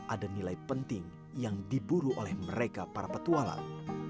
ada nilai penting yang diburu oleh mereka para petualang